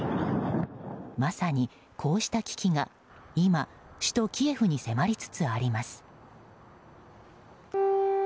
まさにこうした危機が今、首都キエフに迫りつつあります。